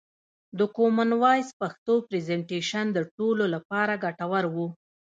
د کومن وایس پښتو پرزنټیشن د ټولو لپاره ګټور و.